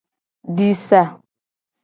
Di sa.